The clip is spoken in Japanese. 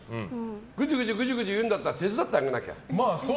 ぐちゅぐちゅ言うんだったら手伝ってあげなきゃ。